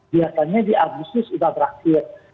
biasanya di agustus sudah berakhir